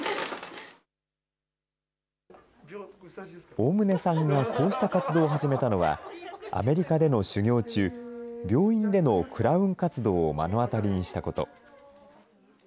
大棟さんがこうした活動を始めたのは、アメリカでの修行中、病院でのクラウン活動を目の当たりにしたこと。